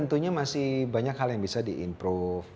tentunya masih banyak hal yang bisa di improve